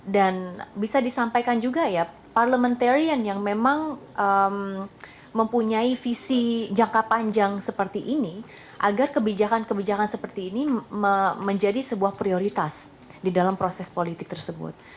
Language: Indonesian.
dan bisa disampaikan juga ya parliamentarian yang memang mempunyai visi jangka panjang seperti ini agar kebijakan kebijakan seperti ini menjadi sebuah prioritas di dalam proses politik tersebut